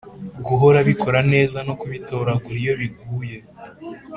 guhora bikora neza no kubitoragura iyo biguye